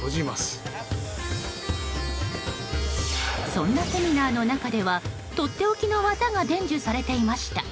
そんなセミナーの中ではとっておきの技が伝授されていました。